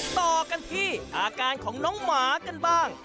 ต่อกันที่อาการของน้องหมากันบ้าง